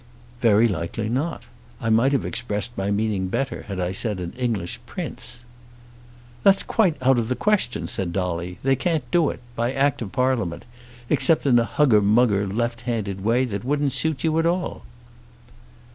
"Very likely not. I might have expressed my meaning better had I said an English Prince." "That's quite out of the question," said Dolly. "They can't do it, by Act of Parliament, except in a hugger mugger left handed way, that wouldn't suit you at all."